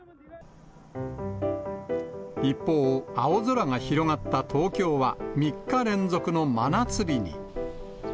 一方、青空が広がった東京は、３日連続の真夏日に。